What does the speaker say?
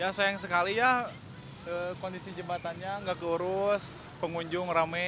ya sayang sekali ya kondisi jembatannya nggak kurus pengunjung rame